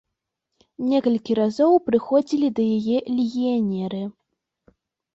Некалькі разоў прыходзілі да яе легіянеры.